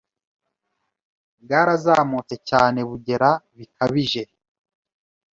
bwarazamutse cyane bugera bikabije